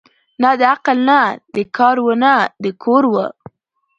نه د عقل نه د کار وه نه د کور وه